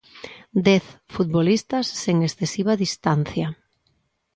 Dez futbolistas sen excesiva distancia.